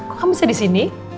kok kamu bisa di sini